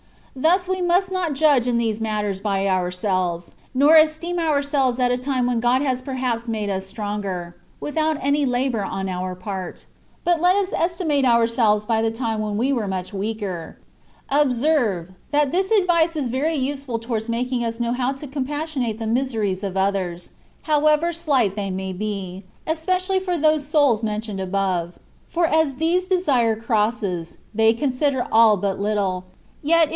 Thus we must not judge in these matters by ourselves, nor esteem ourselves at a time when God has perhaps made us stronger — ^without any labour on our part ; but let us estimate ourselves by the time when we were much weaker. Ob serve, that this advice is very useful towards making us know how to compassionate the miseries of others, however slight they may be, especially for those souls mentioned above; for as these desire crosses, they consider all but little ; yet it 38 THE WAY OP PERFECTION.